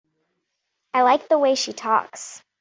I like the way she talks.